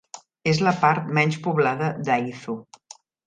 És la part menys poblada d'Aizu.